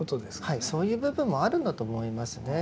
はいそういう部分もあるんだと思いますね。